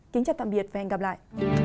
kính chào tạm biệt và hẹn gặp lại